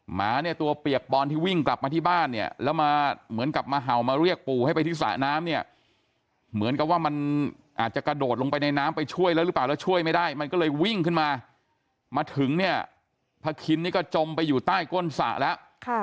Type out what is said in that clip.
หมาเนี่ยตัวเปียกปอนที่วิ่งกลับมาที่บ้านเนี่ยแล้วมาเหมือนกับมาเห่ามาเรียกปู่ให้ไปที่สระน้ำเนี่ยเหมือนกับว่ามันอาจจะกระโดดลงไปในน้ำไปช่วยแล้วหรือเปล่าแล้วช่วยไม่ได้มันก็เลยวิ่งขึ้นมามาถึงเนี่ยพระคินนี่ก็จมไปอยู่ใต้ก้นสระแล้ว